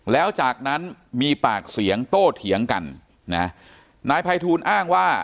แล้วจากนั้นมีปากเสียงโต้เถียงกันนะนายภัยทูลอ้างว่า